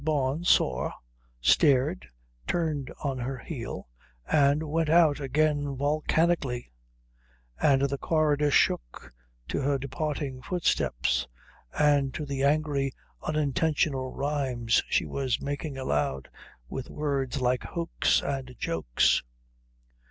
Bawn saw, stared, turned on her heel, and went out again volcanically; and the corridor shook to her departing footsteps and to the angry unintentional rhymes she was making aloud with words like hoax and jokes.